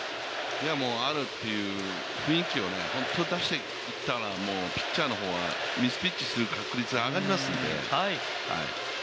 あるっていう雰囲気を出していったら、ピッチャーの方はミスピッチングする確率は上がりますので。